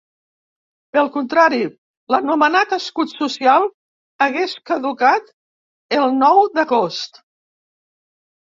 Pel contrari, l’anomenat “escut social” hagués caducat el nou d’agost.